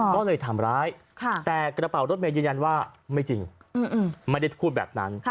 ก็เลยทำร้ายแต่กระเป๋ารถเมย์ยืนยันว่าไม่จริงไม่ได้พูดแบบนั้น